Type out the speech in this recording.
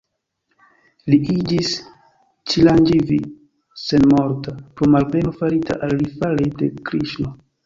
Li iĝis "Ĉiranĝivi" (senmorta) pro malbeno farita al li fare de Kriŝno.